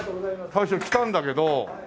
大将来たんだけど。